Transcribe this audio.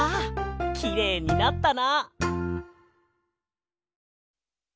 きれいになったな！